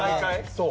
そう。